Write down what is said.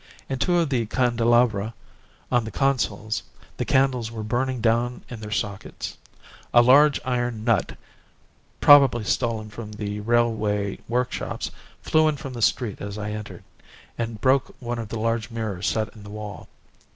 In two of the candelabra, on the consoles, the candles were burning down in their sockets. A large iron nut, probably stolen from the railway workshops, flew in from the street as I entered, and broke one of the large mirrors set in the wall.